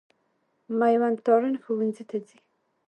مېوند تارڼ ښوونځي ته ځي.